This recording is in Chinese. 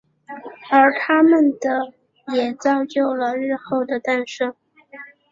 而他们的也造就了日后的诞生。